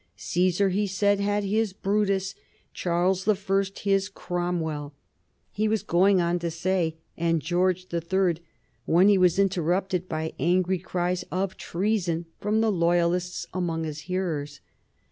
"Caesar," he said, "had his Brutus, Charles the First his Cromwell." He was going on to say "and George the Third," when he was interrupted by angry cries of "Treason!" from the loyalists among his hearers.